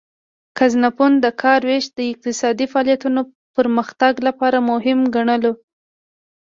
ګزنفون د کار ویش د اقتصادي فعالیتونو پرمختګ لپاره مهم ګڼلو